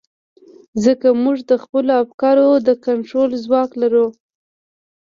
ځکه موږ د خپلو افکارو د کنټرول ځواک لرو.